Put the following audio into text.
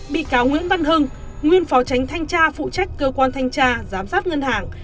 bị cáo nguyễn văn hưng nguyên phó tránh thanh tra phụ trách cơ quan thanh tra giám sát ngân hàng